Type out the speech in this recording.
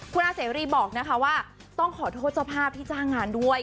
คุณอาเสรีบอกนะคะว่าต้องขอโทษเจ้าภาพที่จ้างงานด้วย